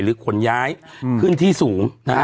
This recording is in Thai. หรือคนย้ายขึ้นที่สูง